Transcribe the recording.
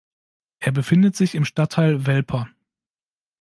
Er befindet sich im Stadtteil Welper.